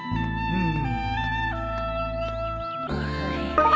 うん？